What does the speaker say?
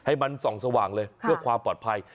ให้มันส่องสว่างเลยเพื่อความปลอดภัย